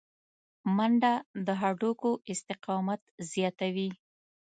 منډه د هډوکو استقامت زیاتوي